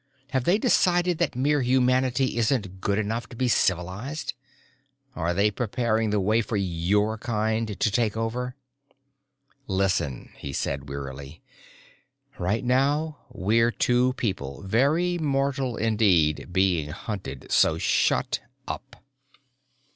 Have they decided that mere humanity isn't good enough to be civilized? Are they preparing the way for your kind to take over?" "Listen," he said wearily. "Right now we're two people, very mortal indeed, being hunted. So shut up!"